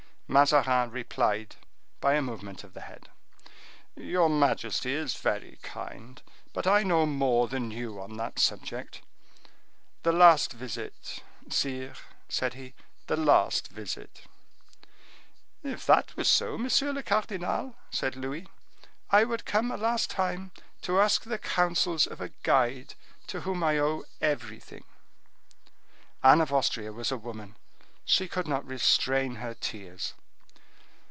Mazarin replied by a movement of the head. "Your majesty is very kind; but I know more than you on that subject. The last visit, sire," said he, "the last visit." "If it were so, monsieur le cardinal," said Louis, "I would come a last time to ask the counsels of a guide to whom I owe everything." Anne of Austria was a woman; she could not restrain her tears.